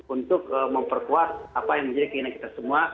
untuk memperkuat apa yang menjadi keinginan kita semua